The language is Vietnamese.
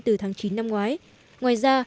từ tháng chín năm ngoái ngoài ra